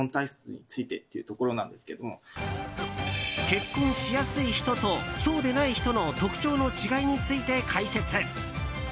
結婚しやすい人とそうでない人の特徴の違いについて解説。